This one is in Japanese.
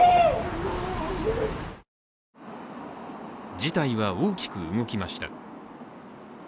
事態は大きく動きました。